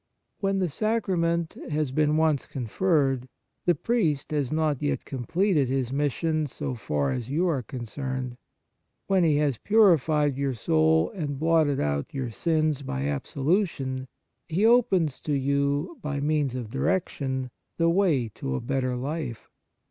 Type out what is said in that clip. When the sacrament has been once conferred, the priest has not yet completed his mission so far as you are concerned. When he has purified your soul and blotted out your sins by absolution, he opens to you, by means of direction, the way to a better life.